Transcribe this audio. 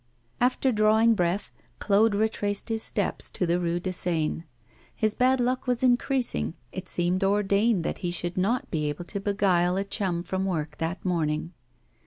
After drawing breath, Claude retraced his steps to the Rue de Seine. His bad luck was increasing; it seemed ordained that he should not be able to beguile a chum from work that morning.